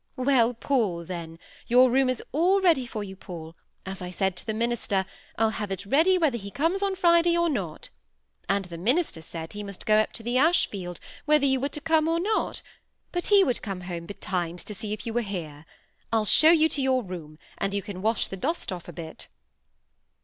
"Well, Paul, then. Your room is all ready for you, Paul, for, as I said to the minister, 'I'll have it ready whether he comes on Friday or not.' And the minister said he must go up to the Ashfield whether you were to come or not; but he would come home betimes to see if you were here. I'll show you to your room, and you can wash the dust off a bit."